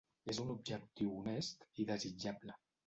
És un objectiu honest i desitjable.